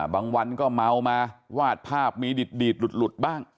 บางวันก็เมามาวาดภาพมีดีดหลุดบ้าง